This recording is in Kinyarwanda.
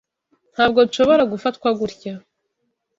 Ntabwo nshobora gufatwa gutya.